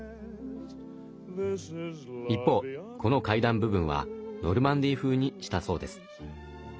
一方この階段部分はノルマンディー風にしたそうです。